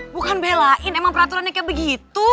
bukan belain emang peraturannya kayak begitu